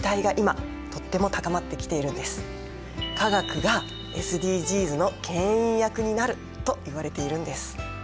化学がＳＤＧｓのけん引役になると言われているんです。